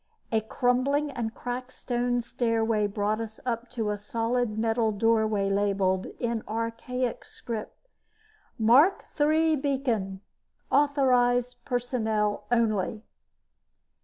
A crumbling and cracked stone stairway brought us up to a solid metal doorway labeled in archaic script MARK III BEACON AUTHORIZED PERSONNEL ONLY.